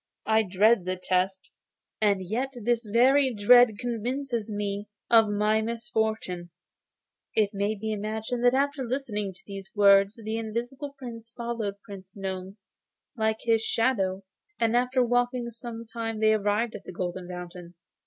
I dread the test, and yet this very dread convinces me of my misfortune.' It may be imagined that after listening to these words the Invisible Prince followed Prince Gnome like his shadow, and after walking some time they arrived at the Golden Fountain.